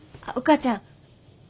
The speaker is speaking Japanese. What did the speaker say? あっお母ちゃん。